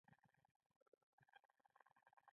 توپک له ورور تربور جوړوي.